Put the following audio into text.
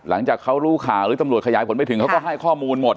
หลังจากเขารู้ข่าวหรือตำรวจขยายผลไปถึงเขาก็ให้ข้อมูลหมด